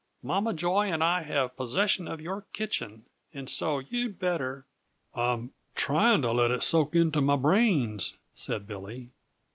Mama Joy and I have possession of your kitchen, and so you'd better " "I'm just trying to let it soak into my brains," said Billy.